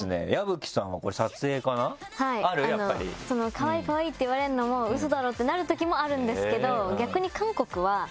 「かわいいかわいい」って言われるのもうそだろってなるときもあるんですけど。